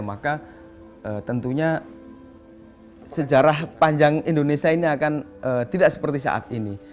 maka tentunya sejarah panjang indonesia ini akan tidak seperti saat ini